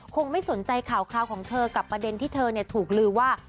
ไม่สนใจข่าวของเธอกับประเด็นที่เธอถูกลือว่า